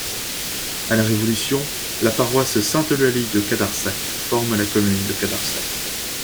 À la Révolution, la paroisse Sainte-Eulalie de Cadarsac forme la commune de Cadarsac.